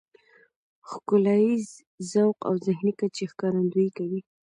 ښکلاييز ذوق او ذهني کچې ښکارندويي کوي .